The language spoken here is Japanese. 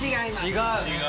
違う。